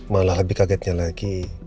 malah lebih kagetnya lagi